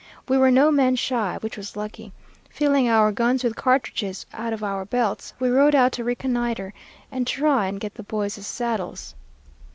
We were no men shy, which was lucky. Filling our guns with cartridges out of our belts, we rode out to reconnoitre and try and get the boys' saddles.